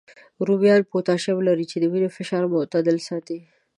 رومیان پوتاشیم لري، چې د وینې فشار معتدل ساتي